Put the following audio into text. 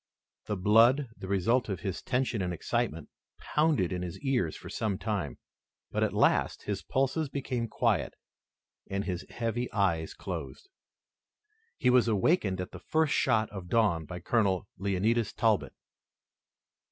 The blood, the result of his tension and excitement, pounded in his ears for some time, but, at last, his pulses became quiet, and his heavy eyes closed. He was awakened at the first shoot of dawn by Colonel Leonidas Talbot.